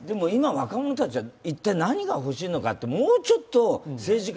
若者たちは、今、一体何が欲しいのかってもうちょっと政治家